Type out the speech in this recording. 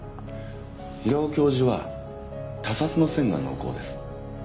平尾教授は他殺の線が濃厚です。